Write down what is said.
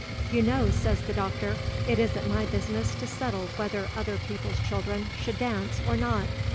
You know,' says the Doctor, 'it is n't my business to settle whether other people's children should dance or not.'